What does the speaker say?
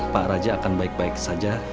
pak raja akan baik baik saja